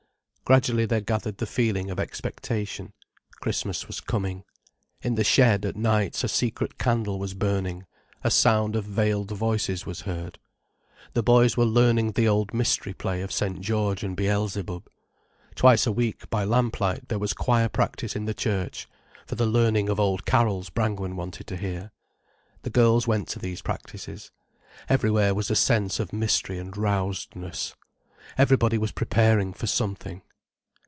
Gradually there gathered the feeling of expectation. Christmas was coming. In the shed, at nights, a secret candle was burning, a sound of veiled voices was heard. The boys were learning the old mystery play of St. George and Beelzebub. Twice a week, by lamplight, there was choir practice in the church, for the learning of old carols Brangwen wanted to hear. The girls went to these practices. Everywhere was a sense of mystery and rousedness. Everybody was preparing for something.